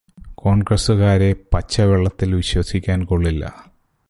കോൺഗ്രസ്സുകാരെ പച്ചവെള്ളത്തിൽ വിശ്വസിക്കാൻ കൊള്ളില്ല.